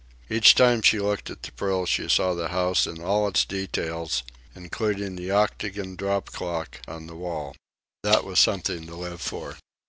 Each time she looked at the pearl she saw the house in all its details, including the octagon drop clock on the wall. That was something to live for.